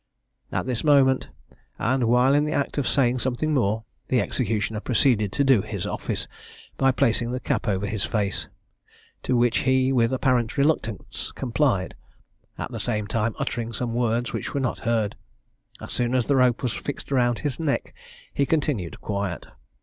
At this moment, and while in the act of saying something more, the executioner proceeded to do his office, by placing the cap over his face; to which he, with apparent reluctance, complied; at the same time uttering some words which were not heard. As soon as the rope was fixed round his neck, he continued quiet.